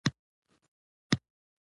د وزو شیدې ډیر سپکې او هضمېدونکې دي.